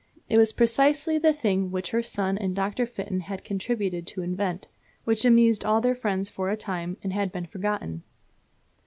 It was precisely the thing which her son and Dr. Fitton had contributed to invent, which amused all their friends for a time, and had then been forgotten."